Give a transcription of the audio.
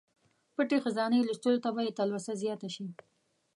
پټې خزانې لوستلو ته به یې تلوسه زیاته شي.